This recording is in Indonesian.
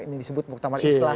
ini disebut muktamar islah